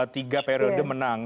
tiga periode menang